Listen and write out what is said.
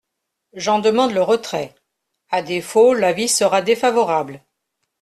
J’en demande le retrait ; à défaut, l’avis sera défavorable.